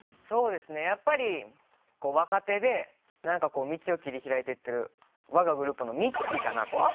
そうですねやっぱり若手でなんかこう道を切り開いていってる我がグループのみっちーかなと。